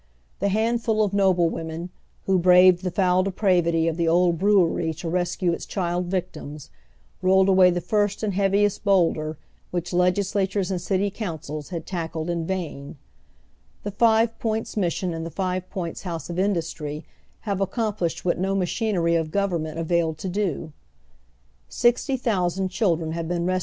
The handful of noble women, who braved the foul depravity of the Old Brewery to i escue its child victims, rolled away the first and heaviest bowldei , which legisla tures and city councils had tackled in vain. The Five Points Mission and the Five Points House of Industry have accomplished what no machinery of government availed to do. Sixty thousand children have been res oy Google 194 now THE OTIIEli HALF LIVES.